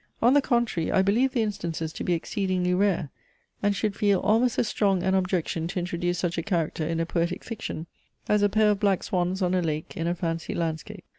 On the contrary I believe the instances to be exceedingly rare; and should feel almost as strong an objection to introduce such a character in a poetic fiction, as a pair of black swans on a lake, in a fancy landscape.